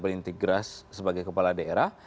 berintegras sebagai kepala daerah